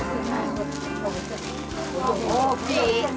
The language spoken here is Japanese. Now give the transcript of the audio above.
大きい。